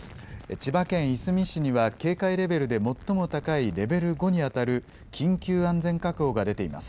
千葉県いすみ市には警戒レベルで最も高いレベル５にあたる緊急安全確保が出ています。